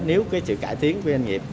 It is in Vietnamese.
nếu sự cải tiến của doanh nghiệp